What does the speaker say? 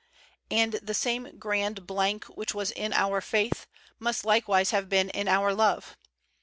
'' And the same grand blank which was in our faith must likewise have been in our love.